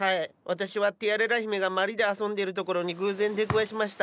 私はティアレラ姫がまりで遊んでるところに偶然出くわしました。